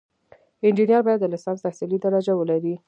انجینر باید د لیسانس تحصیلي درجه ولري.